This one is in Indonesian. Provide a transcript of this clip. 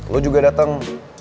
lu juga dateng